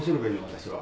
私は。